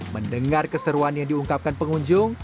mendengar keseruan yang diungkapkan pengunjung